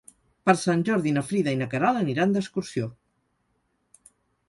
Per Sant Jordi na Frida i na Queralt aniran d'excursió.